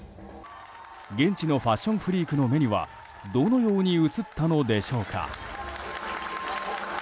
現地のファッションフリークの目にはどのように映ったのでしょうか。